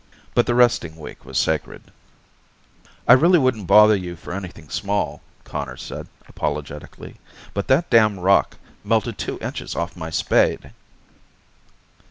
But the resting week was sacred. "I really wouldn't bother you for anything small," Conners said apologetically. "But that damned rock melted two inches off my spade."